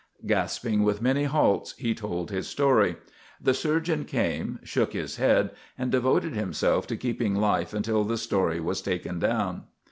Gasping, with many halts, he told his story. The surgeon came, shook his head, and devoted himself to keeping life until the story was taken down.